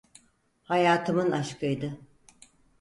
Hayatımın aşkıydı.